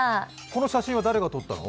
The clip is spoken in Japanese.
この写真は誰が撮ったの？